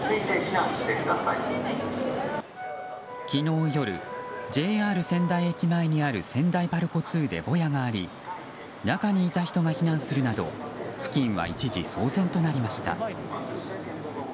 昨日夜、ＪＲ仙台駅前にある仙台パルコ２でボヤがあり中にいた人が避難するなど付近は一時騒然となりました。